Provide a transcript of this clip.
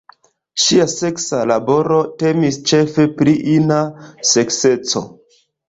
Ŝia seksa laboro temis ĉefe pri ina sekseco.